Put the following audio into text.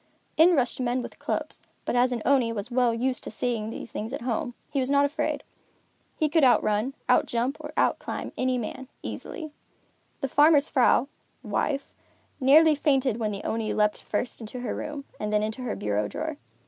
In rushed men with clubs, but as an Oni was well used to seeing these at home, he was not afraid. He could outrun, outjump, or outclimb any man, easily. The farmer's vrouw (wife) nearly fainted when the Oni leaped first into her room and then into her bureau drawer.